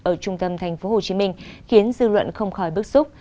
ở trung tâm tp hcm khiến dư luận không khỏi bức xúc